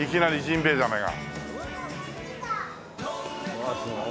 うわすごい。